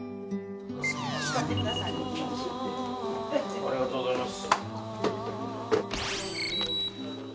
ありがとうございます。